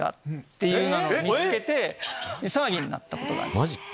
えっ⁉騒ぎになったことがあります。